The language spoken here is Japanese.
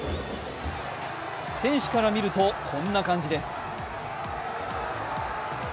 選手から見るとこんな感じです。